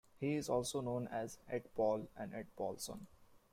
He is also known as Ed Paul and Ed Paulson.